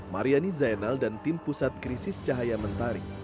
mariani zainal dan tim pusat krisis cahaya mentari